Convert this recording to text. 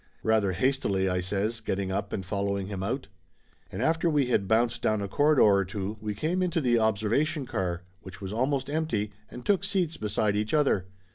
"Rather hastily," I says, getting up and following him out. And after we had bounced down a corridor or two we came into the observation car, which was almost empty, and took seats beside each other.